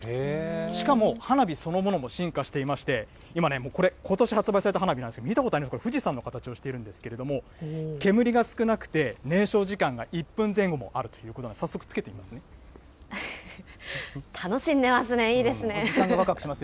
しかも花火そのものも進化していまして、今ね、これ、ことし発売された花火なんですけど、見たことあるかな、富士山の形しているんですけれども、煙が少なくて、燃焼時間が１分前後もあるという楽しんでますね、いいですね。